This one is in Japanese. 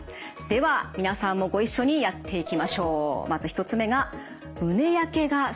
では皆さんもご一緒にやっていきましょう。